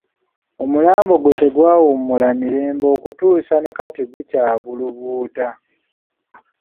Omulambo gwe tegwawummula mirembe okutuusa ne kaakati gukyabulubuuta.